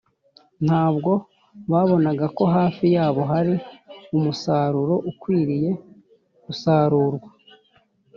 . Ntabwo babonaga ko hafi yabo hari umusaruro ukwiriye gusarurwa